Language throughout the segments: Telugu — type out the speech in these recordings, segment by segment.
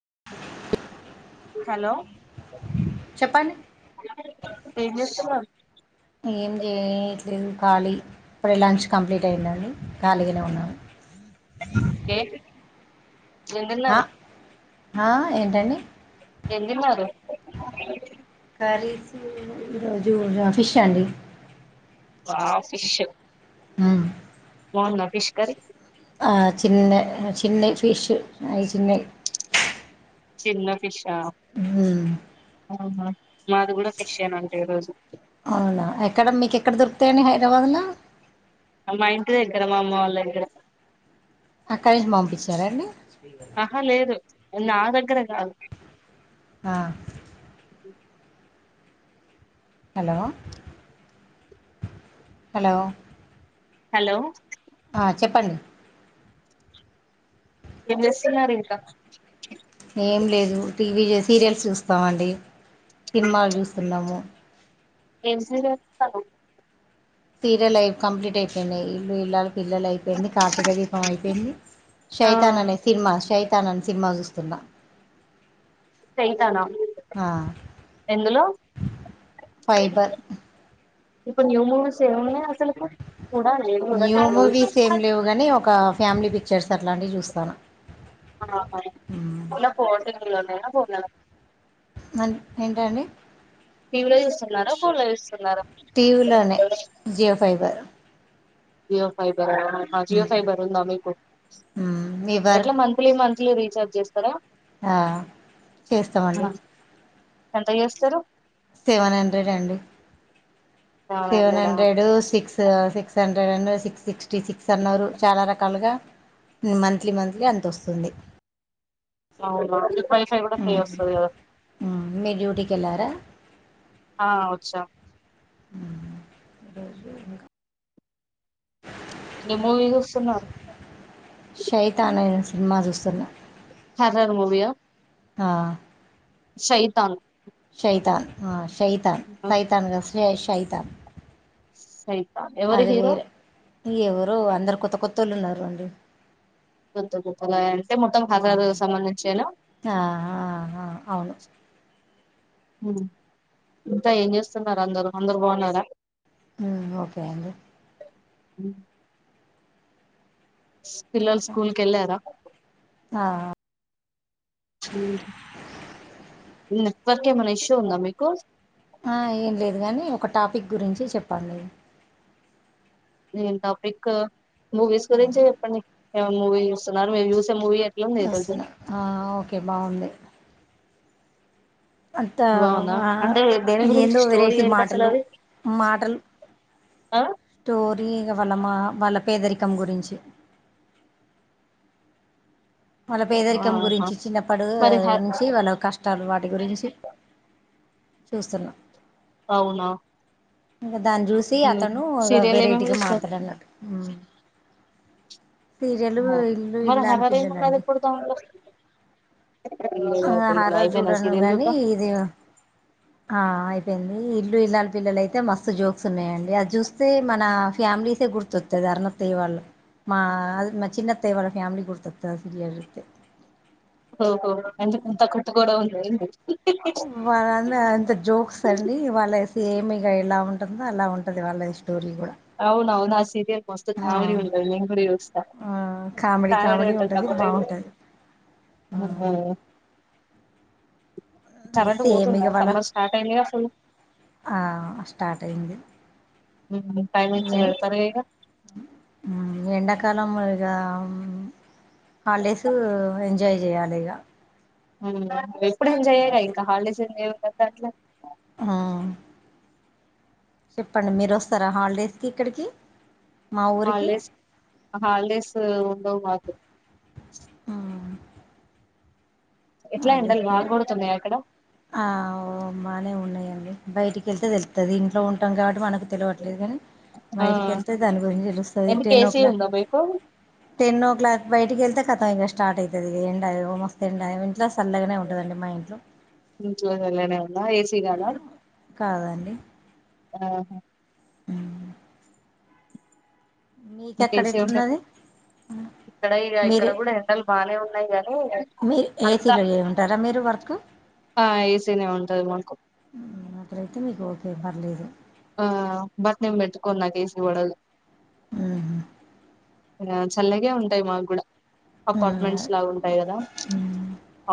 [inaudible] హలో చెప్పండి చెప్మా ఏం చేయట్లేదు ఖాళీ ఇప్పుడే లంచ్ కంప్లీట్ అయిందండి ఖాళీగానే ఉన్నాము కేక్ ఏం తిన్నారు హా ఏంటండి ఏం దిన్నారు కరీస్ ఈ రోజు ఇగ ఫిష్ అండి ఆ ఫిష్ హ్మ్ బాగుందా ఫిష్ కర్రీ ఆ చిన్న చిన్న ఫిష్ ఆయి చిన్నయి చిన్న ఫిష్ మ్మ్. అవునా మాది కూడా ఫిష్ ఏ నండి ఈరోజు అవునా ఎక్కడ మీకు ఎక్కడ దొరుకుతాయండి హైదరాబాద్ లా అమ్ మా ఇంటి దగ్గర మా అమ్మ వాళ్ళ దగ్గర అక్కడి నుంచి పంపించారా అండి ఆహా లేదు నా దగ్గర కాదు ఆ హలో హలో హలో ఆ చెప్పండి ఏం చేస్తున్నారు ఇంకా ఏం లేదు టీవీ సీరియల్స్ చూస్తామండి సినిమాలు చూస్తున్నాము ఏం సీరియల్ సీరియ అవి కంప్లీట్ అయిపోయినాయి ఇల్లు ఇల్ల పిల్లల అయిపోయింది కార్తీక దీపం అయిపోయింది ఆ శైతాన్ అనే సినిమా శైత తానని సినిమా చూస్తున్నా సైతాన్ ఆ ఎందులో ఫైబర్ ఇప్పుడు న్యూ మూవీస్ ఏమున్నాయ్ అసలు న్యూ మూవీస్ ఏం లేవు గాని ఒక ఫ్యామిలీ పిక్చర్స్ అట్లాంటివి చూస్తాను ఇలా పో న్నానా బో అ ఏంటండి పివలో విస్తున్నారా పోలా విస్తున్నా టీవీలోనే జియో ఫైబర్ జి ఫైవ్ ఫ మీ మీ ఎ మ ట్లే రీచార్జ్ జేస్తరా ఆ చేస్తామండి ఎంత చేస్తారు సెవెన్ హండ్రెడ్ అండి seven hundred six six హండ్రె [unintelligible] six sixty six అన్న చాలా రకాలుగా మంత్లీ మంత్లీ అంత వస్తుంది అవ్నా మికు వైఫై కుడా ప్రి వాస్తాది కధా మీరు డ్యూటీకి వెళ్ళారా ఆ వచ్చా ఆ రోజు ఇకా ఏ మూవీ వస్తున్నారు షైతా అనే సినిమా చూస్తున్నా స సార్ మూవయా ఆ సైతన్ శైతాన్ శైతాన్ తాయ్తాన్ గధు శ్రేష్ ఐత సయ్ ఆ ఎవరు హీరో ఎవరు అందరు కొత్త కొత్తళ్ళు ఉన్నారు అండి కొత్త కొత్తగా అంటే మొత్తం హైద [unintelligible] సంబంధించేను అవును మ్ ఇంత ఏం చేస్తున్నారు అందరు అందరు బాగున్నారా ఆ ఓకే అండి అ పిల్లలు స్కూల్కి వెళ్ళారా నెట్వర్క్ ఏమైనా ఇష్యూ ఉందా మీకు ఆ ఏం లేదు కానీ ఒక టాపిక్ గురించి చెప్పలి ఏన్ టాపిక్ కు మూవీస్ గురించి చెపాండి యవన్ మువి చుస్తున్నారు ఏ చుస్తున్న వస్తున్నా ఆ ఓకే బాగుంది అంత బాగుందా అ అంటే దేని గురించి ఏందో స్టోరీ వెరైటీ ఏంటి అసలు మాటలు అది మాటలు ఆ టోర్ టి వాళ్ళ మా వాళ్ళ పేదరికం గురించి వాళ్ళ పేదరికం ఆహా గురించి చిన్నప్పడు మరి హ నుంచి వాళ్ళ కష్టం తర్వాత గురించి చూస్తున్నా అవునా దాన్ని చూసి ఉహు. అతను సీరియల్ ఏమేమి వెరైటీగా చూస్తారు మారుతాడు అన్నాడు సీరియలు ఇల్లు ఇల్లాలు పిల్లలండి కొడుతా [unintelligible] హరర్ చూడను కానీ ఇది ఆ అయిపోయింది ఇల్లు ఇల్లాలు పిల్లలు అయితే మస్తు జోక్స్ ఉన్నాయండి అది చూస్తే మన ఫ్యామిలీసే గుర్తొత్తది అరునత్తయ్య వాళ్ళ మా మా చిన్నత్తయ్య వాళ్ళ ఫ్యామిలీ గుర్తొత్తది సీరియల్ చూ్తే ఓహో ఎందుకంత కుట్కోడ ఉ [unintelligible] వాళ్ళ అంత అంత జోక్స్ అండి వాళ్లు వే సేమ్ ఇగ ఎలా ఉంటుందో అలా ఉంటది వాళ్ళ ఇష్టం అవునువును ఆ సీరియల్ మస్త్ ఆ కామెడీ ఉంటది నేను కూడా చూస్త ఆ కామెడీ కామేడి [unintelligible] కామెడీ ఉంటది ఉంటపోతే బాగుంటది ఆ సేమ్ ఇగ ఇవాళ స్టార్ట్ అయిందిగా అసలు ఆ స్టార్ట్ అయింది టైమింగ్స్ ఎ పెడతరు గా ఇక ఇక హాలిడేస్ ఎంజాయ్ చేయాలి ఇక ఉ ఎప్పుడు ఎంజాయి చేయరా ఇంక [unintelligible] హాలిడెస్ం [unintelligible] హ చెప్పండి మీరు వస్తారా హాలిడేస్కి ఇక్కడికి మా ఊరికి హాలిడేస్ హాలిడేస్ మాదు [unintelligible] [unintelligible] బాగా కొడుతున్నాయి అక్కడ ఆ బాగానే ఉన్నాయండి బయటికి వెళ్తే తెలుతది ఇంట్లో ఉంటాం కాబట్టి మనకు తెలవట్లేదు కాని ఆ బయటికి వెళ్తే దాని గురించి తెలుస్తది ఎందుకు టెన్ ఓ ఏసీ క్లాక్ ఉందా మీకు టెన్ ఓ క్లాక్ బయటికి వెళ్తే కత ఇంక స్టార్ట్ అయితది ఎండ ఓ మస్తు ఎండా ఇంట్లో సల్లగానే ఉంటదండి మా ఇంట్లో చూల్యానే [unintelligible] నో ఏ సి గాలా కాదండి ఆహా ఆ తెలిసే ఉంటది ఎట్లున్నది ఇక్కడ ఇడ ఇక్కడ మీరు కూడా ఎండలు బానే ఉంటయి గని [unintelligible] మీరు ఏసీలో చేయమంటారా మీరు వర్క్ ఉ ఆ ఏసీనే ఉంటది మాకు అప్పుడు అయితే మీకు ఓకే పర్లేేదు ఆ బట్ నేను బెట్టుకొను నాకు ఏసి పడదు ఆ ఆ చల్లగే ఉంటాయి మాకు కూడా ఉ అపార్ట్మెంట్స్ లాగా ఉంటాయి కదా ఉ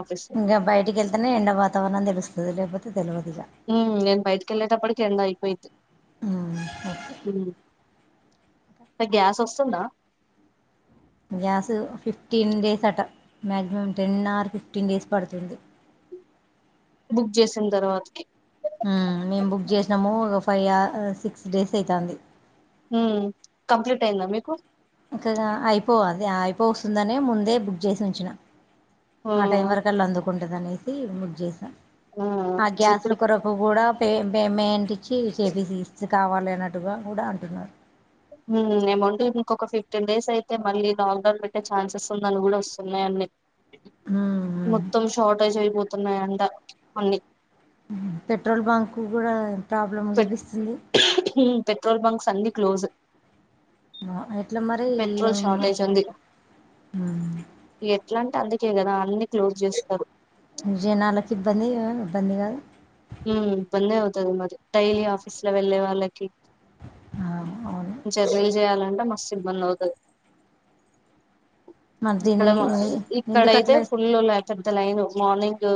ఆఫీస్ ఇంకా బయటికి వెళ్తేనే ఎండ వాతావరణం తెలుస్తది లేకపోతే తెలియదు ఇక హ్మ్ నేను బయటికి వెళ్ళేటప్పటికి ఎండ అయిపోయిది ఓకే గ్యాస్ వస్తుందా గ్యాస్ ఫిఫ్టీన్ డేస్ అట maximum ten hour fifteen days పడుతుంది బుక్ చేసిన తర్వాతకి హ్మ్ మేము బుక్ చేసినాము ఒక ఫైవ్ ఆ సిక్స్ డేస్ అయితాంది హ్మ్మ్ కంప్లీట్ అయిందా మీకు ఇంకాగా అయిపోవు అది అయిపో వస్తుందనే ముందే బుక్ చేసి ఉంచిన ఆ టైం ఉమ్ వరకు అలా అందుకు [unintelligible] టది అనేసి బుక్ చేసా ఉమ్ ఆ గ్యాస్ లో ఇప్పుడు కొరకు కూడా పే పేమెంట్ ఇచ్చి చేపిసి ఇ కావాలి అన్నట్టుగా కూడా అంటున్నారు ఏమౌంటే ఇంకొక ఫిఫ్టీన్ డేస్ అయితే మళ్ళీ లాక్డౌన్ పెట్టే ఛాన్సెస్ ఉందని కూడా వొస్తున్నాయండీ మొత్తం షార్టేజీ అయిపో పోతునయాంట అన్ని [unintelligible] పెట్రోల్ బంక్ కు కూడా ప్రాబ్లం పె చూపిస్తుంది హ్మ్ పెట్రోల్ బంక్స్ అన్నీ క్లోజు ఎట్ల మరి పెట్రోల్ షార్టేజ్ ఉంది [unintelligible] ఇట్లాంటె అందుకే కదా అన్ని క్లోజ్ చేస్తారు జనాలకి ఇబ్బంది కాదు ఇబ్బంది కాదు హ బందే అవుతది మరి డైలీ ఆఫీస్ లో వెళ్ళే వాళ్ళకి ఆ జర్నీ చేయాల అంటే మస్తు ఇబ్బంది అవుతది మరి ఇక్కడ దీని ఎందుకు ఇక్కడయితే అట్లా ఫుల్ లై పెద్దలైన్ మార్నింగ్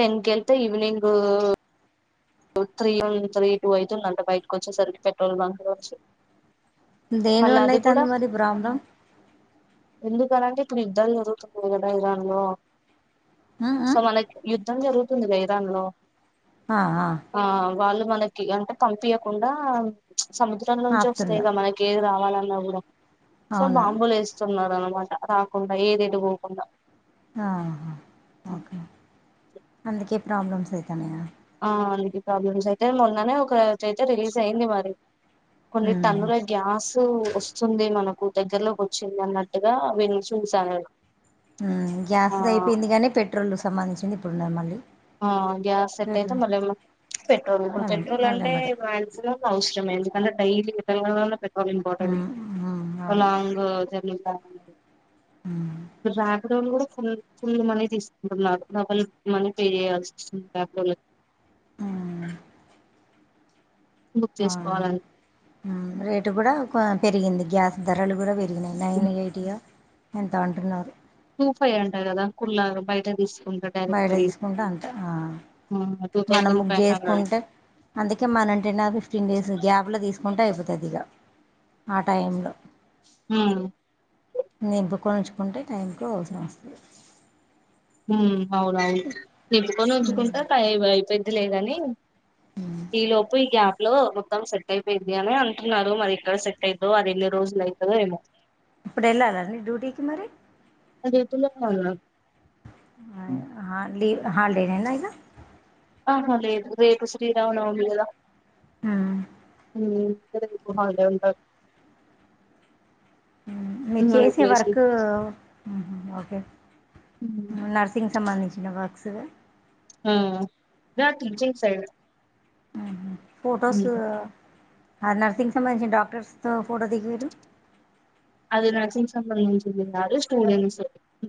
టెన్ కెల్తే evening three one three two అయితుందంట బయటకి వచ్చేసరికి పెట్రోల్ బంక్ లో వచ్చి దేనివల్ల అయితంది మరి ప్రాబ్లం ఎందుకనంటే ఇప్పుడు యుద్ధాలు జరుగుతునన్నాయి కదా ఇరాన్ లో సో మనకి యుద్ధం జరుగు ందిదాలో [unintelligible] ఆ ఆ ఆ వాళ్ళు మనకి అంటే పంపియకుండా సముద్రం నుంచి వస్తాయిగ ఆపుతున్నారు మనకి ఏది రావాల అలా పరా [unintelligible] సో అవునా బాంబులు వేస్తున్నారు అన్నమాట రాకుండా ఏదైతే పోకుండా ఆ ఓకే అందుకే ప్రాబ్లమ్స్ అయితనయ ఆ అందుకు ప్రాబ్లమ్స్ అయితే మొన్ననే ఒక చయితే రిలీజ్ అయింది మరి కొన్ని తన్నుల గ్యాస్ వస్తుంది మనకు దగ్గరలోకి వచ్చింది అన్నట్టుగా విని చూశా నేను గ్యాస్ ఆ ది అయిపోయింది కాగానీ పెట్రోల్ సంబంధించింది పుర్ణమల్ ఆ గ్యాస్ సెటైఅయితే మల పెట్రోల్ మళ్ళీ పెట్రోల్ మళ్ళీ అంటే మాట మాక్సిమం ఔట్ కొంచెం ఎందుకంటేడైలీ లెవక చాలా ఇంపార్టెంట్ స లాంగ్ జర్నీ అ అవును ట్రాక్ రోల్ కూడా ఫుల్ ఫుల్ మనీ తీసుకుంటున్నారు డబల్ మనీ పే చేయళ్సీవస్తుంది అ బుక్ ఆ చేసుకోవాలంటే రేటు కూడా ఇ పెరిగింది గ్యాస్ ధరలు కూడా వె రిగినయ్ నైన్ ఎయిట్య ఎంతో అంటున్నారు టూ ఫైవ్ అంట కదా కుల్ళగా బయట తీసి బయట తీసుకుంటే అంత టూ మనం థౌజండ్ బుక్ ఫైవ్ హండ్రెడ్ చేసుకుంటే అందుకే మనంటే నా ఫిఫ్టీన్ డేస్ గ్యాప్ లో తీసుకుంటే అయిపోతుంది ఇగ ఆ టై లో హ నింపుక ఉంచుకుంటే టైంకి అవసరం వస్తుంది హ అవునవును నింపుకొని ఉంచుకుంటే టైం పెద్దిలేదని ఈ లోపు ఈ గా లో మొత్తం సెట్ అయిపోయింది అని అంటున్నారు మరి ఎక్కడ సెట్ అయిందో అది ఎన్ని రోజులు అవుతాదో ఏమో ఇప్పుడు వెళ్ళాలండి డ్యూటీకి మరి [unintelligible] ఆ లివ్ హాలిడేనె నా ఇగ ఆహా లేదు రేపు శ్రీరామనవమి కదా హ శ్రీరామనవమి కి హాలిడే ఉండదు మ్మ్ మీరు చేసే వర్క్ నర్సింగ్ సంబంధించిన వర్క్స్ ఆ నాది టీచింగ్ సైడ్ ఫోటోస్ అ నర్సింగ్ సంబంధించిన డాక్టర్స్ తో ఫోటో దిగారు అది నర్సింగ్ సంబంధించింది కాదు స్టూడెంట్స్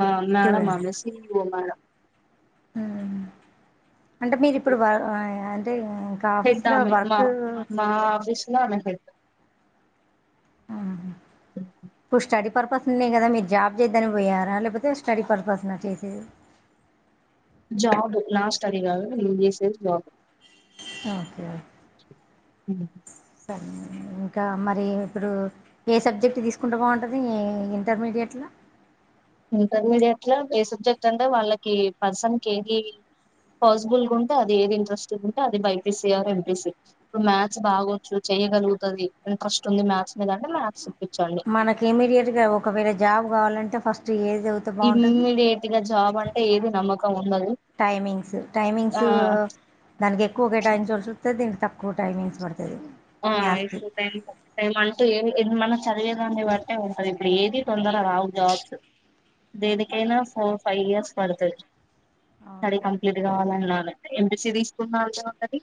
మే మేడం అమెసి ఓ మేడం హుమ్మ్ అంటే మీరిప్పుడు వా వ అంటే ఇంకా హెడ్ ఆఫీస్లో ఆమె మ వర్క్ మా ఆఫీసు లో ఆమె హెడ్ ఆహ ఇప్పుడు స్టడీ పర్పస్ ఉన్నాయి కదా, మీరు జాబ్ చేద్దని పోయారా లేకపోతే స్టడీ పర్పస్ నా చేసేది. జాబ్ లాస్ట్ అది కాదు నేను చేసేది జాబ్ ఓకే ఒ మ్మ్ హ్ సరే ఇంకా మరి ఇప్పుడు ఏ సబ్జెక్ట్ తీసుకుంటే బాగుంటది ఇంటర్మీడియట్లో, ఇంటర్మీడియట్ లో ఏ సబ్జెక్ట్ అంటే వాళ్ళకి పర్సన్ కి ఏది పాసిబుల్ గా ఉంటే అది ఏది ఇంట్రెస్ట్ ఉంటే అది బైపీసీ ఆర్ ఎంపీ సీ. ఇప్పుడు మ్యాథ్స్ బాగొచ్చు చెయ్యగలుగుతది ఇంట్రెస్ట్ ఉంది మ్యాథ్స్ మీద అంటే మ్యాథ్స్, ఇప్పించండి మనకి ఇమ్మీడియట్ గా ఒకవేళ జాబ్ కావాలంటే ఫస్ట్ ఏది చదివితే బాగుంటంది ఇమ్మీడియట్ గా జాబ్ అంటే ఏది నమ్మకం ఉండదు టైమింగ్స్ ఆ టైమింగ్స్ దానికి ఎక్కువ కేటాయించచ్చు ద తక్కువ టైమింగ్స్ పడతదీ ఆ ఎక్కువ టైం పడ టైం అంటూ ఏం లేదు మన చదివేదాన్ని బట్టే ఉంటది ఇప్పుడు ఏది తొందర రావు జాబ్స్ దేనికైనా ఫోర్ ఫైవ్ ఇయర్స్ పడుతాది స్టడీ అవును కంప్లీట్ గావాల అంటే ఎంపీసి తీసుకున్న అంతే ఉంటది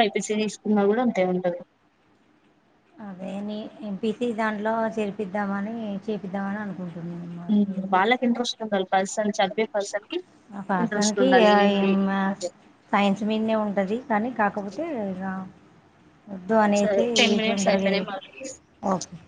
బైపీసి తీసుకున్న కూడా అంతే ఉంటది అదే నీ ఎంపిసి దాంట్లో చేరిపిద్దామని చేపిద్దామని అనుకుంటున్నాను మేము వాళ్ళకి ఇంట్రెస్ట్ ఉండాలీ పర్సన్ చదివే పర్సన్ కి ఆ పర్సన్ ఇంట్రెస్ట్ కి ఉండాలి ఏఐ ఏంటి సైన్స్ మీదనే ఉంటది కానీ కాకపోతే వద్దు సరే అనేది టెన్ ఈ మినిట్స్ తొందరగా అయిపోయినాయి మళ్ళీ ఓకే